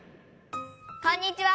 こんにちは！